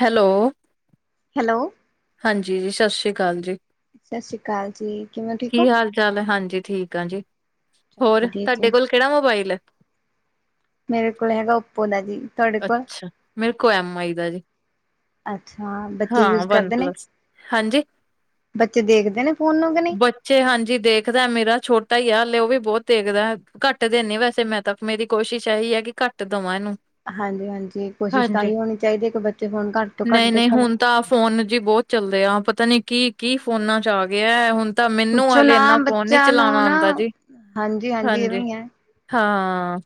Hello? Hello? ਹਾਂਜੀ ਜੀ ਸਤਿ ਸ੍ਰੀ ਅਕਾਲ ਜੀ। ਸਤਿ ਸ੍ਰੀ ਅਕਾਲ ਜੀ ਕਿਵੇਂ ਹੋ ਠੀਕ ਹੋ? ਚੱਲ ਹਾਂਜੀ। ਠੀਕ ਆ ਜੀ। ਹੋਰ ਵਧੀਆ ਤੁਹਾਡੇ ਜੀ। ਕੋਲ ਕਿਹੜਾ ਮੋਬਾਇਲ ਹੈ। ਮੇਰੇ ਕੋਲ ਹੈਗਾ ਉਪੋ ਦਾ ਜੀ। ਤੁਹਾਡੇ ਕੋਲ ਅੱਛਾ! ਮੇਰੇ ਕੋਲ ਐਮ ਆਈ ਦਾ ਜੀ। ਅੱਛਾ। ਬੱਚੇ ਹਾਂ ਯੂਜ ਵਨ ਕਰਦੇ ਨੇ। ਪਲੱਸ ਹਾਂਜੀ। ਬੱਚੇ ਦੇਖਦੇ ਨੇ ਫੋਨ ਨੂੰ ਕਿ ਨਹੀਂ? ਤੇ ਹਾਂਜੀ ਦੇਖਦਾ ਮੇਰਾ ਛੋਟਾ ਹੀ ਆ ਹਲੇ ਉਹ ਵੀ ਬਹੁਤ ਦੇਖਦਾ। ਘੱਟ ਦੇਨੇ ਵੈਸੇ ਮੈਂ ਤਾਂ ਮੇਰੀ ਕੋਸ਼ਿਸ਼ ਇਹੀ ਹੈ ਕਿ ਘੱਟ ਦਵਾਂ ਇਹਨੂੰ। ਹਾਂਜੀ ਹਾਂਜੀ ਕੋਸ਼ਿਸ਼ ਹਾਂਜੀ ਤਾਂਹੀ ਹੋਣੀ ਚਾਹੀਦੀ ਹੈ ਕਿ ਬੱਚੇ ਫੋਣ ਘੱਟ ਤੋਂ ਘੱਟ ਨਹੀਂ ਨਹੀਂ ਦੇਖਣ। ਹੁਣ ਤਾਂ ਫੋਨ ਜੀ ਬਹੁਤ ਚੱਲਦੇ ਆ ਪਤਾ ਨੀ ਕੀ ਕੀ ਫੋਨਾਂ ਚ ਆ ਗਿਆ ਹੁਣ। ਤਾਂ ਮੈਨੂੰ ਪੁੱਛੋ ਹਲੇੇ ਨਾ ਇੰਨਾ ਫੋਨ ਨੀ ਬੱਚਿਆਂ ਨੂੰ ਚਲਾਣਾ ਨਾ ਆਉਂਦਾ ਜੀ ਹਾਂਜੀ ਇਵੇਂ ਹਾਂਜੀ। ਹੀ ਹੈ ਹਾਂ।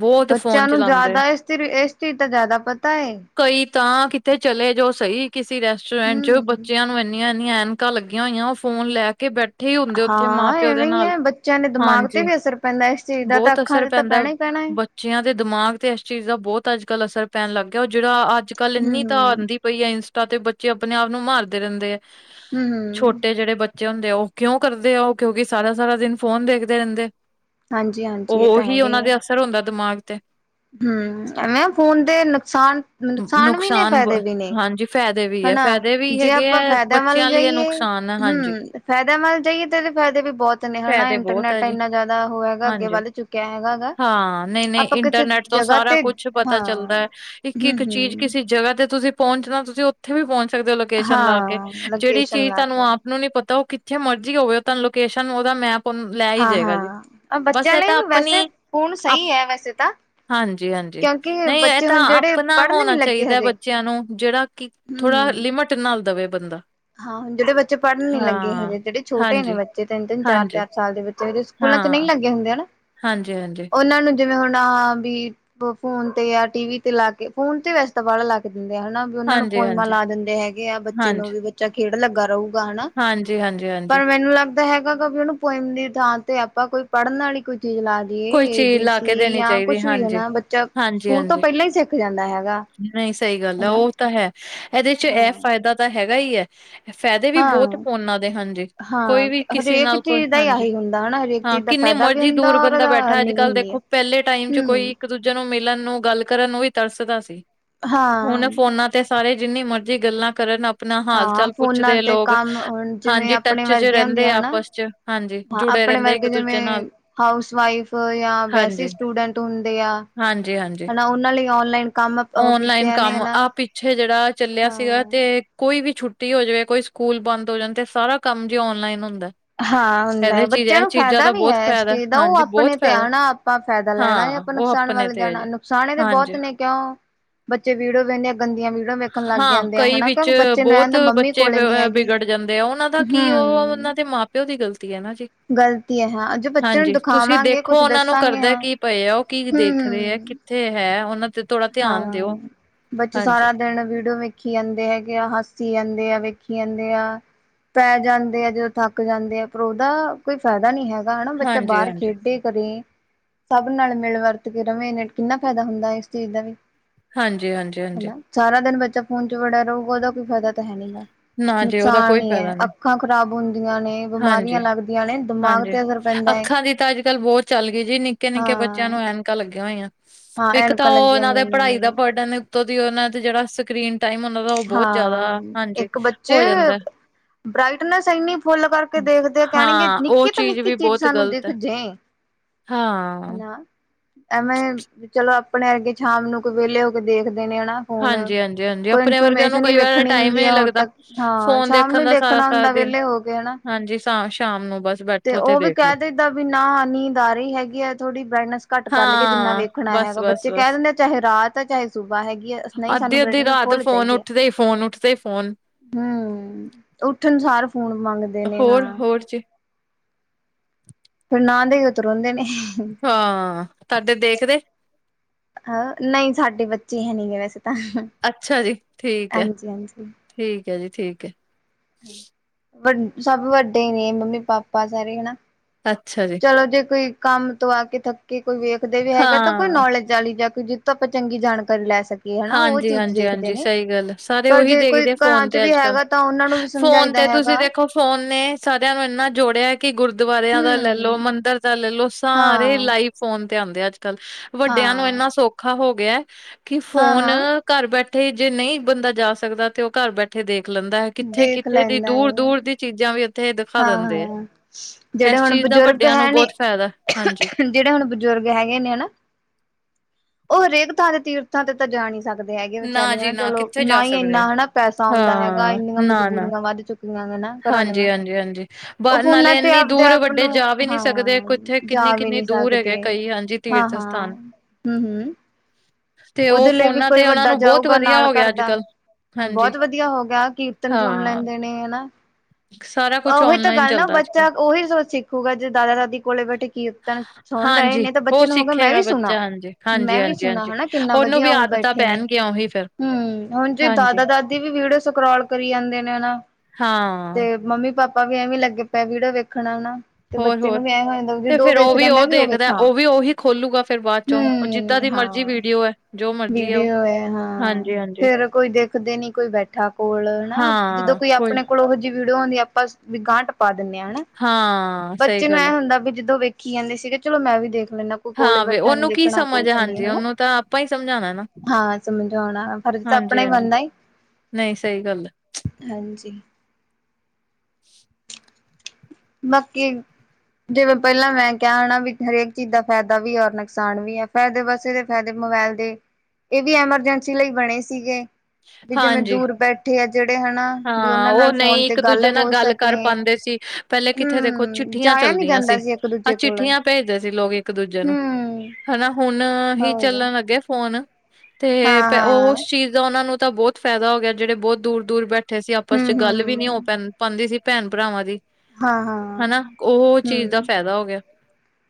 ਬਹੁਤ ਫੋਨ ਬੱਚਿਆਂ ਨੂੰ ਚਲਾਉਂਦੇ ਜ਼ਿਆਦਾ ਇਸਤਰੀ ਇਸ ਚੀਜ਼ ਤਾਂ ਜ਼ਿਆਦਾ ਪਤਾ ਏ। ਕਈ ਤਾਂ ਕਿੱਥੇ ਚਲੇ ਜੋ ਸਹੀ ਕਿਸੀ ਰੈਸਟੋਰੈਂਟ ਚ ਹਮ ਬੱਚਿਆਂ ਨੂੰ ਐ ਇਨੀਆਂ ਇਨੀਆਂ ਐਨਕਾਂ ਲੱਗੀਆਂ ਹੋਈਆਂ ਉਹ ਫੋਨ ਲੈ ਕੇ ਬੈਠ ਇਕੱਠੇ ਹੀ ਹੁੰਦੇ ਉੱਥੇ ਮਾਂ ਹਾਂ ਪਿਓ ਦੇ ਐਵੇਂ ਹੀ ਨਾਲ ਹੈ ਬੱਚਿਆਂ ਦੇ ਦਿਮਾਗ ਤੇ ਹਾਂਜੀ ਵੀ ਅਸਰ ਪੈਂਦਾ ਇਸ ਚੀਜ਼ ਦਾ ਤਾਂ ਬਹੁਤ ਅੱਖਾਂ ਅਸਰ ਤੇ ਤਾਂ ਪੈਂਦਾ ਪੈਣਾ ਹੀ ਪੈਣਾ ਹੈ ਬੱਚਿਆਂ ਦੇ ਦਿਮਾਗ ਤੇ ਇਸ ਚੀਜ਼ ਦਾ ਬਹੁਤ ਅੱਜ ਕੱਲ੍ਹ ਅਸਰ ਪੈਣ ਲੱਗ ਗਿਆ ਉਹ ਜਿਹੜਾ ਅੱਜ ਕੱਲ੍ਹ ਇੰਨੀ ਹਮ ਤਾਂ ਹਮ ਆਦੀ ਈ ਇੰਸਟਾ ਤੇ ਬੱਚੇ ਆਪਣੇ ਆਪ ਨੂੰ ਮਾਰਦੇ ਰਹਿੰਦੇ ਆ ਹਮ ਹਮ ਛੋਟੇ ਜਿਹੜੇ ਬੱਚੇ ਬੱਚੇ ਹੁੰਦੇ ਆ ਉਹ ਕਿਉਂ ਕਰਦੇ ਆ ਉਹ ਕਿਉਂਕਿ ਸਾਰਾ ਸਾਰਾ ਦਿਨ ਫੋਨ ਦੇਖਦੇ ਰਹਿੰਦੇ। ਹਾਂਜੀ-ਹਾਂਜੀ ਇਹ ਤਾਂ ਉਹੀ ਉਹਨਾਂ ਦੇ ਅਸਰ ਹੁੰਦਾ ਦਿਮਾਗ ਤੇ। ਹਮ ਐਵੇਂ ਫੋਨ ਦੇ ਨੁਕਸਾਨ ਨੁਕਸਾਨ ਵੀ ਨੇ ਫੈਇਦੇ ਵੀ ਨੇ। ਹਾਂਜੀ ਫਾਇਦੇ ਵੀ ਹੈ ਹਨਾ ਫਾਇਦੇ ਵੀ ਜੇ ਹੈਗੇ ਆਪਾਂ ਹੈ ਫਾਇਦਾ ਵੱਲ ਬੱਚਿਆਂ ਲਈ ਇਹ ਜਾਈਏ ਨੁਕਸਾਨ ਹੈ ਹਾਂਜੀ ਹਮ ਫਾਇਦਾ ਵਲ ਜਾਈਏ ਤੇ ਇਹਦੇ ਫਾਇਦੇ ਵੀ ਬਹੁਤ ਨੇ ਹਨਾ ਫਾਇਦੇ ਬਹੁਤ ਆ ਇੰਟਰਨੈਟ ਜੀ ਇੰਨਾ ਜ਼ਿਆਦਾ ਉਹ ਹੈਗਾ ਅੱਗੇ ਹਾਂਜੀ ਵੱਧ ਚੁੱਕਿਆ ਹੈਗਾ ਗਾ। ਹਾਂ ਨਹੀਂ ਨਹੀਂ ਆਪਾਂ ਕਿਸੇ ਇੰਟਰਨੈਟ ਤੋਂ ਜਗ੍ਹਾ ਸਾਰਾ ਤੇ ਕੁੱਛ ਹਾਂ ਪਤਾ ਚੱਲਦਾ ਹੈ ਇੱਕ ਇੱਕ ਚੀਜ਼ ਹੂੰ-ਹੂੰ ਕਿਸੇ ਜਗ੍ਹਾ ਤੇ ਤੁਸੀਂ ਪਹੁੰਚਣਾ ਤੁਸੀਂ ਉੱਥੇ ਵੀ ਪਹੁੰਚ ਸਕਦੇ ਹੋ ਲੋਕੇਸ਼ਨ ਲਾ ਕੇ ਹਾਂ ਜਿਹੜੀ ਲੋਕੇਸ਼ਨ ਚੀਜ਼ ਲਾ ਤੁਹਾਨੂੰ ਕੇ ਆਪ ਨੂੰ ਨੀ ਪਤਾ ਉਹ ਕਿੱਥੇ ਜੇ ਮਰਜ਼ੀ ਹੋਵੇ ਤੁ ਲੋਕੇਸ਼ਨ ਉਹਦਾ ਮੈਪ ਲੈ ਹੀ ਜਾਏਗਾ ਜੀ ਹਾਂ-ਹਾਂ ਬਸ ਬੱਚਿਆਂ ਇਹ ਲਈ ਤਾਂ ਵੀ ਵੈਸੇ ਆਪਣੀ ਫੋਨ ਸਹੀ ਹੈ ਵੈਸੇ ਤਾਂ ਹਾਂਜੀ ਹਾਂਜੀ ਕਿਉਂਕਿ ਨਹੀਂ ਇਹ ਬੱਚੇ ਤਾਂ ਹੁਣ ਜਿਹੜੇ ਆਪਣਾ ਪੜ੍ਹਨ ਨੀ ਹੋਣਾ ਲੱਗੇ ਚਾਹੀਦਾ ਹਜੇ ਬੱਚਿਆਂ ਨੂੰ ਜਿਹੜਾ ਕਿ ਥੋੜਾ ਹੂੰ ਲਿਮਿਟ ਨਾਲ ਦਵੇ ਬੰਦਾ। ਹਾਂ ਹੁਣ ਜਿਹੜੇ ਬੱਚੇ ਪੜ੍ਹਨ ਨੀ ਲੱਗੇ ਹਾਂ, ਹਜੇ ਜਿਹੜੇ ਛੋਟੇ ਨੇ ਹਾਂਜੀ। ਬੱਚੇ ਤਿੰਨ ਤਿੰਨ ਚਾਰ ਹਾਂਜੀ, ਚਾਰ ਸਾਲ ਦੇ ਬੱਚੇ ਦੇ ਪੂਲਾਂ ਚ ਨਹੀਂ ਲੱਗੇ ਹੁੰਦੇ ਨਾ ਹਾਂਜੀ ਹਾਂਜੀ। ਉਹਨਾਂ ਨੂੰ ਜਿਵੇਂ ਹੁਣ ਆ ਵੀ ਫੋਨ ਤੇ ਯਾ ਟੀ ਵੀ ਤੇ ਲਾ ਕੇ ਫੋਨ ਤੇ ਵੈਸ ਤਾਂ ਬਾਹਡਾ ਲਾ ਕੇ ਦਿੰਦੇ ਆ ਹਨਾ? ਵੀ ਉਹਨਾਂ ਨੂੰ ਪੋਇਮਾ ਹਾਂਜੀ-ਹਾਂਜੀ, ਲਾ ਦਿੰਦੇ ਹੈਗੇ ਆ ਬੱਚੇ ਨੂੰ ਹਾਂਜੀ, ਵੀ ਬੱਚਾ ਖੇਡ ਲੱਗਾ ਰਹੂਗਾ। ਹਨਾ ਹਾਂਜੀ-ਹਾਂਜੀ, ਹਾਂਜੀ। ਪਰ ਮੈਨੂੰ ਲੱਗਦਾ ਹੈਗਾ ਵੀ ਉਹਨੂੰ ਪੋਇਮ ਦੀ ਥਾਂ ਤੇ ਆਪਾਂ ਕੋਈ ਪੜ੍ਹਨ ਵਾਲੀ ਕੋਈ ਚੀਜ਼ ਲਾ ਜ ਕੋਈ ਏ ਚੀਜ਼ ਬੀ ਲਾ ਕੇ ਸੀ ਦੇਣੀ ਜਾਂ ਚਾਹੀਦੀ ਕੁਛ ਵੀ ਹਾਂਜੀ, ਹਨਾ ਬੱਚਾ ਹਾਂਜੀ, ਸਕੂਲ ਤੋਂ ਹਾਂਜੀ। ਪਹਿਲਾਂ ਹੀ ਸਿੱਖ ਜਾਂਦਾ ਹੈਗਾ। ਨਹੀਂ, ਸਈ ਗੱਲ ਐ। ਹਨਾ ਉਹ ਤਾਂ ਹੈ ਇਹਦੇ ਚ ਹਾਂ ਇਹ ਫਾਇਦਾ ਤਾਂ ਹੈਗਾ ਹੀ ਏ। ਫਾਇਦੇ ਵੀ ਬਹੁਤ ਹਾਂ ਫੋਨਾਂ ਦੇ ਹਾਂਜੀ, ਹਾਂ ਕੋਈ ਵੀ ਕਿਸੇ ਹਰੇਕ ਨਾਲ ਕੋਈ ਚੀਜ਼ ਦਾ ਹੀ ਹਾਂਜੀ ਆਹੀ ਹੁੰਦਾ ਹਨਾ ਹਰੇਕ ਹਾਂ, ਚੀਜ਼ ਦਾ ਕਿੰਨੀ ਫਾਇਦਾ ਵੀ ਮਰਜ਼ੀ ਹੁੰਦਾ ਦੂਰ ਔਰ ਬੰਦਾ ਉਹਦਾ ਬੈਠਾ ਹਾਨੀ ਵੀ ਅੱਜ-ਕੱਲ ਹੁੰਦੀ ਹੈ। ਦੇਖੋ, ਪੈਲੇ ਟਾਈਮ ਚ ਹੂੰ ਕੋਈ ਇੱਕ ਦੂਜੇ ਨੂੰ ਮਿਲਣ ਨੂੰ, ਗੱਲ ਕਰਨ ਨੂੰ ਵੀ ਤਰਸਦਾ ਸੀ ਹਾਂ ਹੁਣ ਫੋਨਾਂ ਤੇ ਸਾਰੇ ਜਿੰਨੀ ਮਰਜ਼ੀ ਗੱਲਾਂ ਕਰਨ ਆਪ ਆਪਣਾ ਹਾਲ ਹਾਂ ਚਾਲ ਫੋਨਾਂ ਪੁੱਛਦੇ ਤੇ ਲੋਗ, ਕੰਮ ਹੁਣ ਜਿਵੇਂ ਹਾਂਜੀ ਆਪਣੇ ਟੱਚ ਚ ਵਰਗੀਆਂ ਰੇਨਦੇ ਹੁੰਦੀਆਂ ਆ ਹਨਾ ਆਪਸ ਚ ਹਾਂਜੀ, ਹਾਂ ਜੁੜੇ ਆਪਣੇ ਰਹਿੰਦੇ ਇੱਕ ਵਰਗੇ ਦੂਜੇ ਜਿਵੇਂ ਨਾਲ ਹਾਊਸ ਵਾਈਫ ਯਾ ਵੈਸੇ ਈ ਹਾਂਜੀ, ਸਟੂਡੈਂਟ ਹੁੰਦੇ ਆ। ਹਾਂਜੀ ਹਾਂਜੀ ਹਨਾ ਉਹਨਾਂ ਲਈ ਔਨਲਾਈਨ ਕੰਮ ਉਹ ਓਨਲਾਈਨ ਕੀਤਿਆਂ ਨੇ ਕੰਮ ਹਨਾ ਆਹ ਪਿੱਛੇ ਜਿਹੜਾ ਚੱਲਿਆ ਸੀਗਾ ਹਾਂ ਤੇ ਕੋਈ ਵੀ ਛੁੱਟੀ ਹੋ ਜਾਵੇ, ਕੋਈ ਸਕੂਲ ਬੰਦ ਹੋ ਜਾਣ ਤੇ ਸਾਰਾ ਕੰਮ ਜ ਨਲਾਈਨ ਹੁੰਦਾ। ਹਾਂ ਹੁੰਦਾ ਇਹਦੇ ਹੈ ਚੀਜ਼ ਬੱਚਿਆਂ ਇਹ ਨੂੰ ਚੀਜ਼ਾਂ ਫਾਇਦਾ ਦਾ ਵੀ ਬਹੁਤ ਹੈ ਇਸ ਫਾਇਦਾ ਚੀਜ਼ ਦਊ ਹਾਂਜੀ ਬਹੁਤ ਆਪਣੇ ਤੇ ਫਾਇਦਾ ਆਉਣਾ ਆਪਾਂ ਫਾਇਦਾ ਲੈਣਾ ਹੈ ਹਾਂ ਆਪਾਂ ਉਹ ਨੁਕਸਾਨ ਆਪਣੇ ਵੱਲ ਤੇ ਹੈ ਜਾਣਾ ਜੀ। ਨੁਕਸਾਨ ਇਹ ਤੇ ਬਹੁਤ ਹਾਂਜੀ ਨੇ ਕਿਉਂ ਬੱਚੇ ਵਿਡੀਓ ਵਿਨੇ ਆ ਗੰਦੀਆਂ ਵੀਡੀਓ। ਵੇਖਣ ਲੱਗ ਹਾਂ, ਜਾਂਦੇ ਆ ਕਈ ਹਨਾ ਵਿੱਚ ਕਿਉਂ ਬੱਚੇ ਨੂੰ ਐ ਬੋਤ ਮੰਮੀ ਬੱਚੇ ਕੋਲੇ ਨੀ ਹੈਗੀ ਬੀਗੜ ਜਾਂਦੇ ਆ, ਉਨਾਂ ਦਾ ਕੀ ਹਮ ਉਹਨਾਂ ਦੇ ਮਾਂ-ਪਿ ਪਿਓ ਦੀ ਗ਼ਲਤੀ ਹੈਨਾ ਜੀ, ਗ਼ਲਤੀ ਹੈ ਹਾਂ ਜੇ ਬੱਚੇ ਨੂੰ ਹਾਂਜੀ, ਤੁਸੀਂ ਦਿਖਾਵਾਂਗੇ ਕੁਛ ਦੇਖੋ ਉਹਨਾ ਨੂੰ ਦੱਸਾਂਗੇ ਕਰਦਾ ਹਾਂ ਕਿ ਪਏ ਉਹ ਕੀ ਦੇਖ ਰਹੇ ਏ? ਹਮ ਕਿੱਥੇ ਹੈ? ਉਹਨਾਂ ਤੇ ਥੋੜਾ ਧਿਆਨ ਹਾਂ, ਦਿਓ ਬੱਚੇ ਹਾਂਜੀ, ਸਾਰਾ ਦਿਨ ਵੀਡੀਓ ਵੇਖ ਕੀ ਆਂਦੇ ਹੈਗੇ ਆ, ਹਸੀ ਆਂਦੇ ਆ, ਵੇਖੀ ਆਂਦੇ ਆ ਪੈ ਜਾਂਦੇ ਆ, ਜਦੋਂ ਥੱਕ ਜਾਂਦੇ ਆ ਪਰ ਉਦਾ ਕੋਈ ਫਾਇਦਾ ਨੀ ਹੈਗਾ ਹੈਨਾ ਬੱਚਾ ਹਾਂਜੀ, ਬਾਰ ਹਾਂਜੀ, ਖੇਡੇ। ਕਰੇ ਸਭ ਨਾਲ ਮਿਲ ਵਰਤ ਕੇ ਰਵੇ ਕਿੰਨਾ ਫਾਇਦਾ ਹੁੰਦਾ ਏ ਇਸ ਚੀਜ਼ ਦਾ ਵੀ। ਹਾਂਜੀ-ਹਾਂਜੀ-ਹਾਂਜੀ। ਹਨਾ ਸਾਰਾ ਦਿਨ ਬੱਚਾ ਫੋਨ ਚ ਵੜਿਆ ਰਓਗਾ ਉਦਾ ਕੋਈ ਫਾਇਦਾ ਤਾਂ ਹੈਨੀ ਗਾ। ਨਾ ਜੀ ਉਹਦਾ ਨੁਕਸਾਨ ਕੋਈ ਹੀ ਹੈ। ਫਾਇਦਾ ਨੀ। ਅੱਖਾਂ ਖ਼ਰਾਬ ਹੁੰਦੀਆਂ ਨੇ, ਬਿਮਾਰੀਆਂ ਹਾਂਜੀ, ਲੱਗਦੀਆਂ ਨੇ, ਦਿਮਾਗ ਹਾਂਜੀ। ਤੇ ਅਸਰ ਪੈਂਦਾ ਹੈ ਅੱਖਾਂ ਦੀ ਤਾਂ ਅੱਜ-ਕੱਲ੍ਹ ਬਹੁਤ ਚੱਲ ਗਈ ਜੀ ਨਿੱਕੇ-ਨਿੱਕੇ ਬੱਚਿਆਂ ਨੂੰ ਐਨਕਾਂ ਲੱਗੀਆਂ ਹੋਈਆਂ। ਹਾਂਂ, ਇੱਕ ਐਨ ਉਹਨਾਂ ਦੇ ਪੜ੍ਹਾਈ ਦਾ ਬਰਡਨ ਉੱਤੋਂ ਦੀ ਉਹਨਾਂ ਦੇ ਜਿਹੜਾ ਸਕਰੀਨ ਟਾਈਮ ਉਨਾਂ ਦਾ ਉ ਬਹੁਤ ਜ਼ਿਆਦਾ, ਹਾਂ ਹਾਂਜੀ। ਇੱਕ ਬੱਚੇ ਹੋ ਜਾਂਦਾ ਬਰਾਈਟਨੈਸ ਇੰਨੀ ਫੁੱਲ ਕਰਕੇ ਦੇਖਦੇ ਕਹਿਣਗੇ ਹਾਂ ਉਹ ਨਿੱਕੀ ਤੋਂ ਨਿੱਕੀ ਵੀ ਚੀਜ਼ ਬਹੁਤ ਸਾਨੂੰ ਗ਼ਲਤ ਦਿਖ ਹੈ ਜਾਏ। ਹਾਂ। ਐਵੇਂ ਚਲੋ ਆਪਣੇ ਅੱਗੇ ਸ਼ਾਮ ਨੂੰ ਕੋ ਵੇਲੇ ਹੋ ਕੇ ਦੇਖਦੇ ਨੇ ਹੈਨਾ। ਹਾਂਜੀ-ਹਾਂਜੀ। ਹਾਂਜੀ-ਹਾਂਜੀ, ਆਪਣੇ ਵਰਗਿਆਂ ਨੂੰ ਕਈ ਵਾਰ ਵੇਖਣੀ ਟਾਈਮ ਹੁੰਦੀ ਹੀ ਨੀ ਆ ਹੋਰ ਲੱਗਦਾ ਤੱਕ ਹਾਂ ਫੋਨ ਸ਼ਾਮ ਦੇਖਣ ਨੂੰ ਦਾ ਸਾਰਾ ਦੇਖਣਾ ਸਾਰਾ ਹੁੰਦਾ ਦਿਨ। ਵਿਹਲੇ ਹੋ ਕੇ ਹਨਾ ਹਾਂਜੀ। ਤਾਂ ਸ਼ਾਮ ਨੂੰ ਬਸ ਤੇ ਬੈਠੋ ਉਹ ਵੀ ਦੇਖਲੋ ਕਹਿ ਦਈਦਾ ਤੇ ਉਹ ਵੀ ਕਹਿ ਦਿੰਦਾ ਵੀ ਨਾ ਨੀਂਦ ਆ ਰਹੀ ਹੈਗੀ ਜਿੰਨਾ ਹਾਂ। ਵੇਖ ਰੱਖਣਾ ਹੈਗਾ। ਬਸ-ਬਸ, ਬੱਚੇ ਕਹਿ ਬਸ ਦਿੰਦੇ ਆ ਚਾਹੇ ਰਾਤ ਹੈ ਚਾਹੇ ਸੁਬਾਹ ਹੈਗੀ। ਹੈ ਨਹੀਂ ਸਾਨੂੰ ਅੱਧੀ-ਅੱਧੀ ਬ੍ਰਟਨ ਰਾਤ ਫੁੱਲ ਫੋਨ ਉੱਠਦੇ ਹੀ, ਫੋਨ ਉੱਠਦੇ, ਫੋਨ ਹੂੰ, ਉੱਠਣੁਸਾਰ ਫੋਨ ਮੰਗਦੇ। ਨੇ ਹਾਂ ਹੋਰ-ਹੋਰ ਚੇ ਫਿਰ ਨਾਂ ਦਿਓ ਤੇ ਰੋਂਦੇ ਨੇ। ਹਾਂ, ਤੁਹਾਡੇ ਦੇਖਦੇ? ਹਾ, ਨਈ ਸਾਡੇ ਬੱਚੇ ਹੈਨੀਗੇ ਵੈਸੇ ਤਾਂ। ਅੱਛਾ ਜੀ। ਠੀਕ ਹੈ, ਹਾਂਜੀ ਠੀਕ ਹੈ ਜੀ, ਠੀਕ ਹੈ। ਵਡ ਸਭ ਵੱਡੇ ਹੀ ਨੇ ਮੰਮੀ ਪਾਪਾ ਸਾਰੇ ਹੈਨਾ। ਅੱਛਾ ਜੀ। ਚਲੋ ਜੇ ਕੋਈ ਕੰਮ ਤੋਂ ਆ ਕੇ ਥੱਕੇ ਕੋਈ ਵੇਖਦੇ ਵੀ ਹੈਗਾ ਤਾਂ ਕੋਈ ਹਾਂ ਨੌਲੇਜ ਚਲੀ ਜਾ ਕੋ ਜਿੱਤੋਂ ਆਪਾਂ ਚੰਗੀ ਜਾਣਕਾਰੀ ਲੈ ਸਕ ਹਾਂਜੀ-ਹਾਂਜੀ-ਹਾਂਜੀ, ਸਹੀ ਗੱਲ ਸਾਰੇ ਪਰ ਉਹੀ ਜੇ ਕੋਈ ਦੇਖਦੇ ਆ ਘਰਾਂ ਫੋਨ ਚ ਤੇ ਵੀ ਅੱਜ-ਕੱਲ। ਹੈਗਾ ਤਾਂ ਉਹਨਾਂ ਨੂੰ ਵੀ ਫੋਨ ਸਮਝਾਈਦਾ ਤੇ ਤੁਸੀਂ ਹੈਗਾ ਦੇਖੋ ਫੋਨ ਨੇ ਸਾਰਿਆਂ ਨੂੰ ਇੰਨਾ ਜੋੜਿਆ ਕਿ ਗੁਰਦੁਆਰਿਆਂ ਦਾ ਲੈ ਹਮ ਲਓ, ਮੰਦਿਰ ਦਾ ਲੈ ਲਓ ਹਾਂ ਸਾਰੇ ਲਾਈਵ ਫੋਨ ਤੇ ਆਉਂਦੇ ਆ ਅੱਜ-ਕੱਲ। ਵੱਡਿਆਂ ਨੂੰ ਹਾਂ ਇੰਨਾ ਸੌਖਾ ਹੋ ਗਿਆ ਕਿ ਹਾਂ ਫੋਨ ਹਾਂ ਘਰ ਬੈਠੇ ਹੀ ਜੇ ਨਹੀਂ ਬੰਦਾ ਜਾ ਸਕਦਾ, ਤੇ ਉਹ ਘਰ ਬੈਠੇ ਦੇਖ ਲੈਂਦਾ ਹੈ। ਦੇਖ ਕਿੱਥੇ-ਕਿੱਥੇ, ਦੀ ਦੂਰ-ਦੂਰ ਦੀ ਚੀਜ਼ਾਂ ਵੀ ਉੱਥੇ ਦਿਖਾ ਦਿੰਦੇ ਆ ਹਾਂ-ਹਾਂ, ਜਿਹੜੇ ਇਸ ਹੁਣ ਚੀਜ਼ ਦਾ ਬਜ਼ੁਰਗ ਵੱਡਿਆਂ ਹੈ ਨੂੰ ਬਹੁਤ ਨੇ ਫਾਇਦਾ ਹਾਂਜੀ। ਜਿਹੜੇ ਹੁਣ ਬਜ਼ੁਰਗ ਹੈਗੇ ਨੇਨਾ ਉਹ ਹਰੇਕ ਥਾਂ ਦੇ ਤੀਰਥਾਂ ਤੇ ਤਾਂ ਜਾਣ ਸਕਦੇ ਹੈਗੇ, ਨਾ ਵਿਚਾਰੇ ਜੀ ਹੈਨਾ ਨਾ ਚਲੋ ਕਿੱਥੇ ਜਾ ਨਾਹੀ ਸਕਦੇ। ਆ। ਇੰਨਾ ਹੈਨਾ ਪੈਸਾ ਆਉਂਦਾ ਹੈਗਾ, ਹਾਂ ਇੰਨੀਆਂ ਨਾ-ਨਾ ਮਜਬੂਰੀਆਂ ਵੱਧ ਚੁੱਕੀਆਂ। ਗਨਾਣਾ ਹਾਂਜੀ-ਹਾਂਜੀ-ਹਾਂਜੀ। ਬਾਹਰ ਨਾਲੇ ਤੇ ਇੰਨੀ ਆਪਦੇ ਦੂਰ ਆਪ ਵੱਡੇ ਨੂੰ ਜਾ ਵੀ ਨਹੀਂ ਸਕਦੇ ਹਾਂ ਉੱਥੇ ਕਿੰਨੀ-ਕਿੰਨੀ ਦੂਰ ਹੈਗੇ ਕਈ ਹਾਂਜੀ। ਤੀਰਥ ਹਾਂ-ਹਾਂ, ਸਥਾਨ ਹੂੰ-ਹੂੰ। ਤੇ ਉਹ ਉਦੇ ਲਈ ਵੀ ਫੋਨਾਂ ਕੋਈ ਤੇ ਉਹਨਾਂ ਵੱਡਾ ਨੂੰ ਬਹੁਤ ਜਾਊਗਾ ਵਧੀਆ ਨਾਲ ਹੋ ਗਿਆ ਘਰ ਦਾ ਅੱਜ-ਕੱਲ ਹਾਂਜੀ ਬਹੁਤ ਵਧੀਆ ਹੋ ਗਿਆ, ਕੀਰਤਨ ਸੁਣ ਹਾਂ। ਲੈਂਦੇ ਨੇ ਹਨਾ ਸਾਰਾ ਕੁਛ ਉਹੀ ਤਾਂ ਔਨਲਾਈਨ ਗੱਲ ਨਾ ਚੱਲਦਾ ਬੱਚਾ ਅੱਜ-ਕੱਲ ਉਹੀ ਸਿੱਖੂਗਾ, ਜੋ ਦਾਦਾ-ਦਾਦੀ ਕੋਲੇ ਬੈਠੇ ਕੀਰਤਨ ਸੁਣ ਰਹੇ ਹਾਂਜੀ ਨੇ ਤਾਂ ਬੱਚੇ ਉਹ ਨੂੰ ਹੋਗਾ ਮੈਂ ਵੀ ਸਿੱਖੇਗਾ ਸੁਣਾ, ਬੱਚਾ ਹਾਂਜੀ। ਮੈਂ ਵੀ ਸੁਣਾ, ਹਾਂਜੀ-ਹਾਂਜੀ-ਹਾਂਜੀ ਹੈਨਾ ਕਿੰਨਾ ਉਹਨੂੰ ਵਧੀਆ ਵੀ ਹੋ ਆਦਤਾਂ ਬੈਠੇ ਨੇ ਪੈਣਗੀਆਂ ਉਹੀ ਫਿਰ ਹੂੰ ਹੁਣ ਜੇ ਦਾਦਾ ਦਾ ਹਾਂਜੀ ਦਾਦੀ ਵੀ ਵੀਡੀਓ, ਸਕਰਾਲ ਕਰੀ ਜਾਂਦੇ ਨੇ ਹੁਣ ਹਾਂ ਤੇ ਮੰਮੀ ਪਾਪਾ ਆਪਾਂ ਵੀ ਐਵੇਂ ਲੱਗੇ ਪਏ ਵੀਡੀਓ ਵੇਖਣਾ ਹਨਾ। ਹੋਰ-ਹੋਰ ਤੇ ਫੇਰ ਉਹ ਵੀ ਉਹ ਦੇਖਦਾ, ਉਹ ਵੀ ਉਹੀ ਖੋਲੂਗਾ, ਫੇਰ ਬਾਅਦ ਚੋਂ ਉਹ ਜਿੱਦਾਂ ਹੂੰ ਦੀ ਮਰਜ਼ ਜੀ ਹਾਂ ਵੀਡੀਓ ਹੈ। ਜੋ ਮਰਜ਼ੀ ਹੈ ਉਹ ਵੀਡੀਓ ਐ ਹਾਂ। ਹਾਂਜੀ ਹਾਂਜੀ ਫੇਰ ਕੋਈ ਦੇਖਦੇ, ਨੀ ਕੋਈ ਬੈਠਾ ਕੋਲ ਹਨਾ, ਜਦੋਂ ਕੋਈ ਆਪਣੇ ਕੋਲ ਉਹ ਵੀਡੀਓ ਹੁੰਂਦੀ ਆਪਾਂ ਵੀ ਗਹਾ ਪਾ ਦਿੰਦੇ ਹਾਂ ਹਨਾ, ਹਾਂ ਸਹੀ ਬੱਚੇ ਨੂੰ ਇਹ ਗੱਲ ਹੈ ਹੁੰਦਾ ਵੀ ਜਦੋਂ ਵੇਖ ਕੀ ਕਹਿੰਦੇ ਸੀਗੇ, ਚਲੋ ਮੈਂ ਵੀ ਦੇਖ ਲੈਂਦਾ। ਕੋਈ ਕੋਲੇ ਹਾਂ ਵੀ ਬੈਠਾ ਨੀ ਉਹਨੂੰ ਕੀ ਦੇਖਣਾ ਸਮਝ ਹੈ, ਕੁਛ ਨੀ ਹਾਂਜੀ ਹਨਾ ਉਹਨੂੰ ਤਾਂ ਆਪਾਂ ਹੀ ਸਮਝਾਉਣਾ ਨਾ। ਹਾਂ ਸਮਝਾਣਾ ਫਰਜ਼ ਤਾਂ ਆਪਣਾ ਹਾਂਜੀ ਹੀ ਹਾਂਜੀ ਬਣਦਾ ਨਹੀਂ ਸਹੀ ਗੱਲ ਹੈ ਹਾਂਜੀ। ਬਾਕੀ ਜਿਵੇਂ ਪਹਿਲਾਂ ਮੈਂ ਕਿਹਾ ਹਣਾ ਵੀ ਹਰੇਕ, ਚੀਜ਼ ਦਾ ਫਾਇਦਾ ਵੀ ਔਰ ਨੁਕਸਾਨ ਵੀ ਹੈ ਫਾਇਦੇ ਵਸੇ ਕਦੇ ਮੋਬਾਇਲ ਦੇ ਇਹ ਵੀ ਐਮਰਜੈਂਸੀ ਲਈ ਬਣੇ ਸੀਗੇ। ਵੀ ਜਿਵੇਂ ਹਾਂਜੀ ਦੂਰ ਬੈਠੇ ਆ ਜਿਹੜੇ ਹਨਾ। ਵੀ ਹਾਂ ਉਹਨਾਂ ਉਹ ਨਾਲ ਫੋਨ ਨਹੀਂ, ਤੇ ਇੱਕ ਦੂਜੇ ਨਾਲ ਹੋ ਗੱਲ ਸਕੇ ਕਰ ਪਾਦੇ ਸੀ। ਪਹਿਲੇ ਕਿੱਥੇ ਦੇਖੋ ਹਮ ਚਿੱਠੀਆਂ ਜਾਇਆ ਨੀ ਚੱਲਦੀਆਂ ਜਾਂਦਾ ਸੀ, ਇੱਕ ਆਹ ਦੂਜੇ ਕੋਲ ਚਿੱਠੀਆਂ ਭੇਜਦੇ ਸੀ, ਲੋਕ ਇੱਕ ਦੂਜੇ ਨੂੰ ਹਮ ਹਨਾ, ਹੁਣ ਹੀ ਹੋਰ ਚੱਲਣ ਲੱਗੇ ਫੋਨ। ਹਾਂ ਤੇ ਉਹ ਹਾਂ ਉਸ ਚੀਜ਼ ਦਾ ਉਹਨਾਂ ਨੂੰ ਤਾਂ ਬਹੁਤ ਫ਼ਾਇਦਾ ਹੋ ਗਿਆ, ਜਿਹੜੇ ਬਹੁਤ ਦੂਰ ਦੂਰ ਬੈਠ ਬਠੇ ਸੀ ਆਪਸ ਚ ਹਮ ਗੱਲ ਵੀ ਨੀ ਹੋ ਹਮ ਪੈ ਪਾਦੀ ਸੀ, ਭੈਣ ਭਰਾਵਾਂ ਦੀ ਹਾਂ ਹਾਂ ਹਨਾ, ਉਹ ਚੀਜ਼ ਦਾ ਫਾਇਦਾ ਹੋ ਗਿਆ।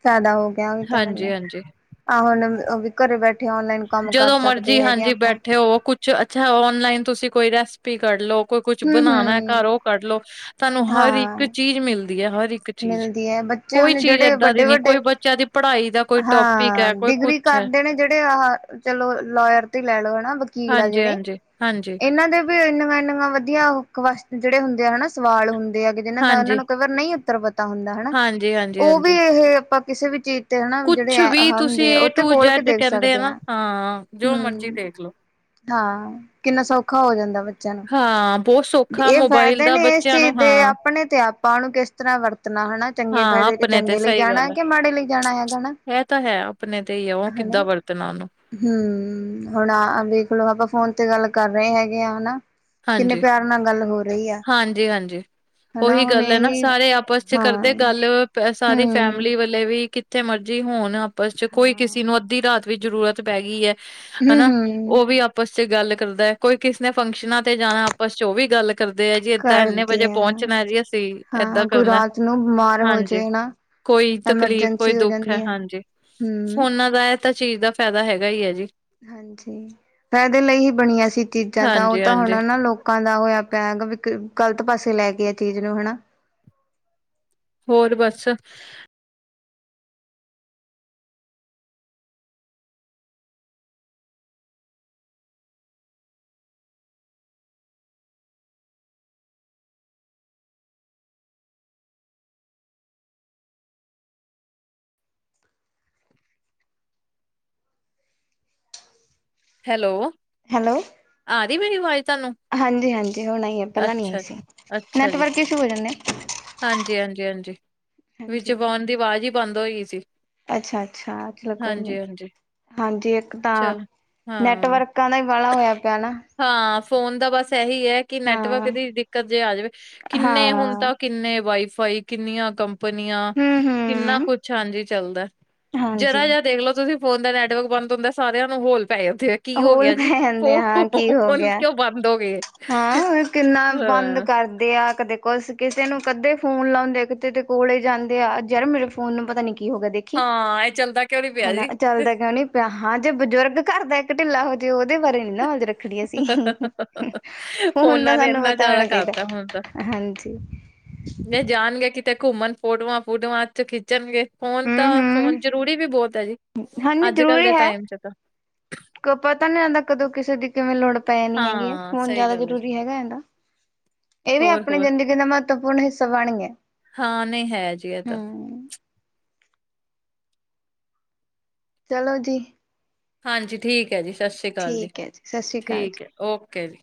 ਜ਼ਿਆਦਾ ਹੋ ਗਿਆ, ਉਹ ਵੀ ਤਾਂ ਗੱਲ ਹੈ, ਹਾਂਜੀ-ਹਾਂਜੀ ਆਹੋ ਹੁਣ ਉਹ ਵੀ ਘਰੇ ਬੈਠੇ ਔਨਲਾਈਨ ਕੰਮ ਕਰ ਸਕਦੇ, ਹੈਗੇ ਆ ਆਪਾਂ ਉਹ ਕੁਛ ਅੱਛਾ ਔਨਲਾਈਨ, ਤੁਸੀਂ ਕੋਈ ਰੈਸਪੀ ਕਰਲੋ, ਕੋਈ ਕੁਛ ਹਮ ਬਣਾਉਣਾ ਹਮ ਘਰ ਉਹ ਕਰ ਲਓ ਸਹਾਨੂੰ ਹਰ ਇੱਕ ਹਾਂ ਚੀਜ਼ ਮਿਲਦੀ ਹੈ, ਹਰ ਇੱਕ ਚੀਜ਼ ਮਿਲਦੀ ਹੈ ਬੱਚੇ ਕੋਈ ਹੁਣ ਚੀਜ਼ ਜਿਹੜੇ ਏਦਾਂ ਵੱਡੇ ਦੀ ਨਹੀਂ ਕੋਈ ਵੱਡੇ ਬ ਬੱਚਿਆਂ ਦੀ ਪੜ੍ਹਾਈ ਦਾ ਕੋਈ ਟੋਪਿਕ ਹਾਂ ਹੈ ਕੋਈ ਡਿਗਰੀ ਕੁਛ ਹੈ ਕਰਦੇ ਨੇ, ਜਿਹੜੇ ਆਹ ਚਲੋ ਲੋਅਰ ਤੇ ਲੈ ਲਓ ਹਨਾ। ਵਕੀਲ ਐ ਜਿਹੜੇ ਹਾਂਜੀ-ਹਾਂਜੀ, ਹਾਂਜੀ, ਇਹਨਾਂ ਦੇ ਵੀ ਇੰਨੀਆਂ ਇੰਨ ਵਧੀਆ ਜਿਹੜੇ ਹੁੰਦੇ ਆ ਹਨਾ, ਸਵਾਲ ਹੁੰਦੇ ਆ ਕਿ ਜਿਹਨਾਂ ਦਾ ਉਹਨਾਂ ਹਾਂਜੀ, ਨੂੰ ਕਈ ਵਾਰ ਨਹੀਂ ਉੱਤਰ ਪਤਾ ਹੁੰਦਾ ਹਨਾ, ਹਾਂਜੀ, ਹਾਂਜੀ, ਉਹ ਹਾਂਜੀ। ਵੀ ਇਹ ਆਪਾਂ ਕਿਸੇ ਵੀ ਚੀਜ਼ ਤੇ ਹਨਾ, ਜਿਹੜੇ ਕੁਛ ਆ ਵੀ ਤੁਸੀਂ ਹੁੰਦੇ ਏ ਉਹ ਤੇ ਟੂ ਖੋਲ ਕੇ ਜੈਡ ਦੇਖ ਕਹਿੰਦੇ ਸਕਦੇ ਨਾ ਆ ਹਾਂ ਜੋ ਮਰਜ਼ੀ ਹੂੰ। ਦੇਖ ਲੋ। ਹਾਂ ਕਿੰਨਾ ਸੌਖਾ ਹੋ ਜਾਂਦਾ, ਬੱਚਿਆਂ ਨੂੰ ਹਾਂ ਬਹੁਤ ਸੌਖਾ ਇਹ ਮੋਬਾਇਲ ਫਾਇਦੇ ਦਾ ਨੇ ਇਸ ਬੱਚਿਆਂ ਨੂੰ ਚੀਜ਼ ਦੇ ਹਾਂ ਆਪਣੇ ਤੇ ਆਪਾਂ ਨੂੰ ਕਿਸ ਤਰ੍ਹਾਂ ਵਰਤਣਾ ਹਨਾ, ਚੰਗੇ ਹਾਂ ਫਾਇਦੇ ਤੇ ਆਪਣੇ ਚੰਗੇ ਲਈ ਸਹੀ ਜਾਣਾ, ਗੱਲ ਹੈ। ਕਿ ਮਾੜੇ ਲਈ ਜਾਣਾ ਹੈਗਾ ਨਾ [inaudible] ਇਹ ਤਾਂ ਹੈ ਆਪਣੇ ਤੇ ਹੀ ਹੈ ਉਹ ਕਿੱਦਾਂ ਵਰਤਣਾ ਉਹਨੂੰ ਹੂੰ ਹੁਣ ਵੇਖ ਲੋ ਆਪਾਂ ਫੋਨ ਤੇ ਗੱਲ ਕਰ ਰਹੇ ਹੈਗੇ ਆ ਹਨਾ। ਕਿੰਨੇ ਹਾਂਜੀ- ਪਿਆਰ ਨਾਲ ਗੱਲ ਹੋ ਰਹੀ ਆ ਹਾਂਜੀ -ਹਾਂਜੀ ਹਨਾ ਉਹੀ ਹੁਣ ਗੱਲ ਹੈ ਨਾ ਇਹੀ ਸਾਰੇ ਆਪਸ 'ਚ ਹਾਂ ਕਰਦੇ ਗੱਲ ਸਾਰੀ ਹਮ ਫੈਮਿਲੀ ਵ ਲੇ ਵੀ ਕਿੱਥੇ ਮਰਜ਼ੀ ਹੋਣ, ਆਪਸ ਚ ਕੋਈ ਹਾਂ ਕਿਸੇ ਨੂੰ ਅੱਧੀ ਰਾਤ ਵੀ ਜਰੂਰਤ ਪੈ ਗਈ ਹੈ। ਹਮ ਹਨਾ ਹਮ ਉਹ ਵੀ ਆਪਸ ਚ ਗੱਲ ਕਰਦਾ ਹੈ, ਕੋਈ ਕਿਸੇ ਨੇ ਫੰਕਸ਼ਨਾਂ ਜਾਣਾ ਆਪਸ ਚ ਉਹ ਵੀ ਗੱਲ ਕਰਦੇ ਆ ਜੀ ਏਦਾਂ ਇੰਨੇ ਕਰਦੇ ਵਜੇ ਆ ਪਹੁੰਚਣਾ ਜੀ, ਅਸੀਂ ਏਦਾਂ ਹਾਂ ਕੋਈ ਕਰਨਾ ਰਾਤ ਨੂੰ ਬਿਮਾਰ ਹੋ ਹਾਂਜੀ। ਜਾਏ ਨਾ ਕੋਈ ਤਕਲੀਫ਼ ਕੋਈ ਐਮਰਜੈਂਸੀ ਹੋ ਦੁੱਖ ਹੈ, ਜਾਂਦੀ ਹਾਂਜੀ ਹਮ ਫੋਨਾਂ ਦਾ ਤਾਂ ਚੀਜ਼ ਦਾ ਫਾਇਦਾ ਹੈਗਾ ਹੀ ਹੈ ਜੀ, ਹਾਂਜੀ ਫੇਰ ਇਹਦੇ ਲਈ ਹੀ ਬਣੀਆਂ ਸੀ, ਚੀਜ਼ਾਂ ਤਾਂ ਉਹ ਤਾਂ ਹੁਣ ਹਾਂਜੀ-ਹਾਂਜੀ, ਨਾ ਲੋਕ ਲੋਕਾਂ ਦਾ ਹੋਇਆ ਪਿਆ ਹੈ, ਵੀ ਗ਼ਲਤ ਪਾਸੇ ਲੈ ਕੇ ਆ ਚੀਜ਼ ਨੂੰ ਹਨਾ। ਹੋਰ ਬਸ ਹੈਲੋ। ਹੈਲੋ ਆ ਰਹੀ ਮੇਰੀ ਆਵਾਜ਼ ਤੁਹਾਨੂੰ ਹਾਂਜੀ- ਹਾਂਜੀ ਹੁਣ ਆਈ ਹੈ ਪਹਿਲਾਂ ਨੀ ਆਈ ਅੱਛਾ, ਸੀ ਨੈਟਵਰਕ ਇਸੂ ਹੋ ਜਾਂਦੇ। ਹਾਂਜੀ-ਹਾਂਜੀ-ਹਾਂਜੀ-ਹਾਂਜੀ ਵਿਚ ਵਾਉਣ ਦੀ ਆਵਾਜ਼ ਹੀ ਬੰਦ ਹੋਈ ਸੀ। ਅੱਛਾ- ਅੱਛਾ ਚਲੋ ਕੋਈ ਨੀ ਹਾਂਜੀ-ਹਾਂਜੀ, ਹਾਂਜੀ ਇੱਕ ਤਾਂ ਚਲੋ। ਹਾਂ, ਨੈਟਵਰਕਾਂ ਦਾ ਹੀ ਬਾੜਾ ਹੋਇਆ ਪਿਆ ਨਾ। ਹਾਂ ਫੋਨ ਦਾ ਬਸ ਇਹੀ ਹੈ ਕਿ ਨੈਟਵਰਕ ਹਾਂ। ਦੀ ਦਿੱਕਤ ਜੇ ਆ ਜਾਵੇ ਕਿੰਨੇ ਹੁਣ ਹਾਂ ਤੱਕ ਕਿੰਨੇ ਵਾਈਫਾਈ ਕਿੰਨੀਆਂ ਕੰਪ ਕੰਨੀਆਂ ਕਿੰਨਾ ਹੂੰ-ਹੂੰ ਕੁਛ ਹਾਂਜੀ ਚੱਲਦਾ ਜਰਾ ਹਾਂਜੀ। ਜਿਹਾ ਦੇਖਲੋ ਤੁਸੀਂ ਫੋਨ ਦਾ ਨੈਟਵਰਕ ਬੰਦ ਹੁੰਦਾ ਸਾਰਿਆਂ ਨੂੰ ਹੋਲ ਪਏ ਉੱਥੇ ਕੀ ਹੋ ਹੋਲ ਗਿਆ ਜੀ ਪੈ [inaudible] ਜਾਂਦੇ ਆ ਹਾਂ ਕੀ ਹੋ ਹੁਣ ਗਿਆ। ਕਿਉਂ ਬੰਦ ਹੋ ਗਏ ਹਾਂ ਕਿੰਨਾ ਬੰਦ ਹਾਂ। ਕਰਦੇ ਆ ਕਦੇ ਕਿਸੇ ਨੂੰ ਕਦੇ ਫੋਨ ਲਾਉਂਦੇ ਆ ਕਿਤੇ ਕੋਲੇ ਜਾਂਦੇ ਆ ਯਾਰ ਮੇਰੇ ਫੋਨ ਨੂੰ ਪਤਾ ਨੀ ਕੀ ਹੋ ਗਿਆ ਦੇਖ ਹਾਂ ਇਹ ਚੱਲਦਾ ਕਿਉਂ ਨਹੀਂ ਪਿਆ ਹਨਾ ਜੀ ਚੱਲਦਾ ਕਿਉਂ ਨਹੀਂ ਪਿਆ ਹਾਂ ਜੇ ਬਜ਼ੁਰਗ ਘਰ ਦਾ ਇੱਕ ਢਿੱਲਾ ਹੋ। ਤੇ ਉਹਦੇ ਬਾਰੇ ਨੀ ਨਾ ਉਜ਼ ਰੱਖਣੀ ਅਸੀ [inaudible] ਫੋਨ ਦਾ ਫੋਨਾਂ ਨੇ ਸਾਨੂੰ ਇੰਨਾ ਪਤਾ ਜ਼ਿਆਦਾ ਹੋਣਾ ਚਾਹੀਦਾ ਕਰਤਾ ਹੁਣ ਤਾਂ ਹਾਂਜੀ। ਜਾਣਗੇ ਕਿਤੇ ਘੁੰਮਣ ਫੋਟੋਆਂ ਫੂਟੋਆਂ ਚੋਂ ਖਿੱਚਣਗੇ। ਫੋਨ ਤਾਂ ਹੂੰ-ਹੂੰ ਫੋਨ ਜ਼ਰੂਰੀ ਵੀ ਬਹੁਤ ਹੈ ਜੀ ਹਾਂਜੀ ਅੱਜ ਕੱਲ ਜ਼ਰੂਰੀ ਦੇ ਹੈ। ਟਾਈਮ 'ਚ ਤਾਂ ਪਤਾ ਨੀ ਇਹਦਾ ਕਦੋਂ ਕਿਸੇ ਦੀ ਕਿਵੇਂ ਲੋੜ ਪੈ ਨੀ ਹੈਗੀ ਹੈ ਹਾਂ ਹੁਨ ਸਹੀ ਜ਼ਿਆਦਾ ਗੱਲ ਹੈ ਜੀ। ਜ਼ਰੂਰੀ ਹੈਗਾ ਇਹਦਾ ਇਹ ਵੀ ਹੋਰ ਆਪਣੀ ਹੋਰ ਜ਼ਿੰਦਗੀ ਦਾ ਮਹੱਤਵਪੂਰਨ ਹਿੱਸਾ ਬਣ ਗਿਆ। ਹਾਂ ਨਹੀਂ ਹੈ ਜੀ ਇਹ ਤਾਂ ਹੂੰ। ਚਲੋ ਜੀ। ਹਾਂਜੀ ਠੀਕ ਹੈ ਜੀ ਸਤਿ ਸ਼੍ਰੀ ਅਕਾਲ ਜੀ ਠੀਕ ਹੈ ਸਤਿ ਸ਼੍ਰੀ ਅਕਾਲ ਜੀ। ਠੀਕ ਹੈ ਓਕੇ ਜੀ।